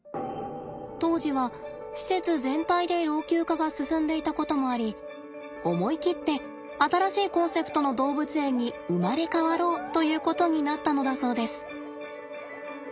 当時は施設全体で老朽化が進んでいたこともあり思い切って新しいコンセプトの動物園に生まれ変わろうということになったのだそうです。